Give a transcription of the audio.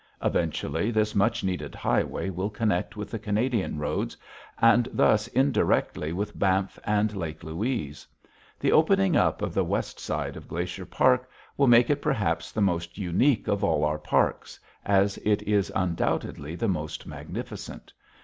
Eventually, this much needed highway will connect with the Canadian roads, and thus indirectly with Banff and Lake Louise. The opening up of the west side of Glacier Park will make it perhaps the most unique of all our parks, as it is undoubtedly the most magnificent.